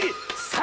３